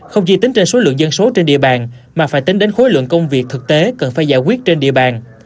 không chỉ tính trên số lượng dân số trên địa bàn mà phải tính đến khối lượng công việc thực tế cần phải giải quyết trên địa bàn